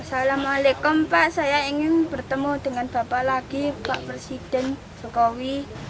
assalamualaikum pak saya ingin bertemu dengan bapak lagi pak presiden jokowi